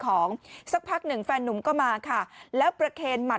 ออกไปแล้วนะ